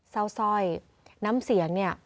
เศร้าซ่อยน้ำเสียงเนี่ย